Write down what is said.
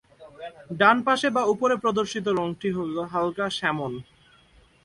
ডানপাশে বা উপরে প্রদর্শিত রঙটি হলো হালকা স্যামন।